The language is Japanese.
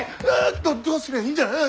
どどうすりゃいいんじゃ！